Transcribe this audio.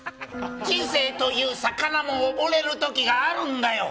人生という魚も溺れる時があるんだよ。